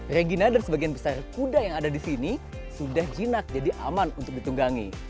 regina dan sebagian besar kuda yang ada di sini sudah jinak jadi aman untuk ditunggangi